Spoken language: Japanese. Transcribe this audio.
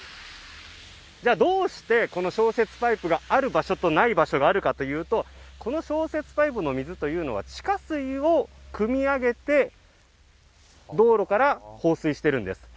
じゃあどうして消雪パイプがある場所とない場所があるかというとこの消雪パイプの水というのは地下水をくみ上げて道路から放水しているんです。